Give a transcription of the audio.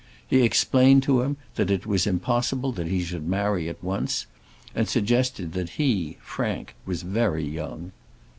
He explained to him that it was impossible that he should marry at once, and suggested that he, Frank, was very young.